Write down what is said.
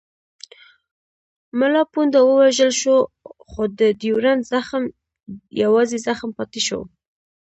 ملا پونده ووژل شو خو د ډیورنډ زخم یوازې زخم پاتې شو.